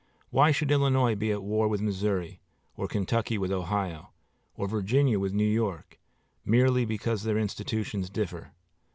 Why should Illinois be at war with Missouri, or Kentucky with Ohio, or Virginia with New York, merely because their institutions differ?